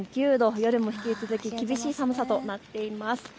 夜も引き続き厳しい寒さとなっています。